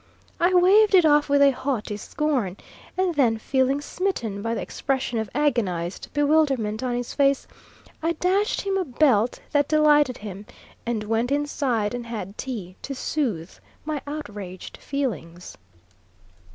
I waved it off with a haughty scorn, and then feeling smitten by the expression of agonised bewilderment on his face, I dashed him a belt that delighted him, and went inside and had tea to soothe my outraged feelings.